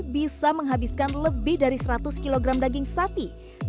bisa menghabiskan lebih dari seratus kg daging sapi